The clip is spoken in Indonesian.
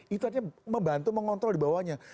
itu aja membantu mengontrol dibawanya